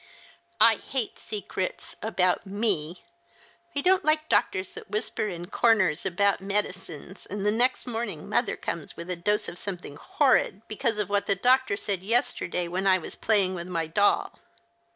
•• I hate secrets — about me. I don't like doctors that whisper in corners about medicines, and next morning mother comes with a dose of something horrid, because of what the doctor said yesterday when I was playing with mv doll.